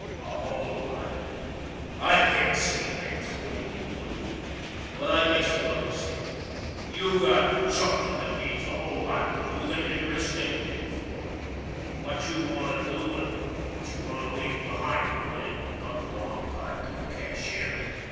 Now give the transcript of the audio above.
" A whole lot. I can't say things the way you do, but I guess you'll under stand. You got something that means a whole lot to you, that you'd risk anything for what you want to do and what you want to leave behind you when it comes along time to cash in.